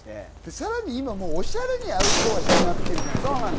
さらに今、オシャレにアウトドアしたくなってきてるじゃないですか。